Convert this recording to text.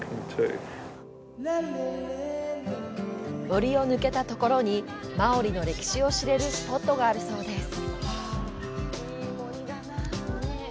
森を抜けたところにマオリの歴史を知れるスポットがあるそうです。